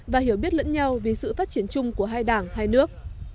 và hiểu biết lẫn nhau vì sự phát triển chung của hai đảng hai nước